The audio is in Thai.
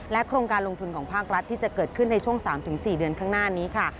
โครงการลงทุนของภาครัฐที่จะเกิดขึ้นในช่วง๓๔เดือนข้างหน้านี้ค่ะ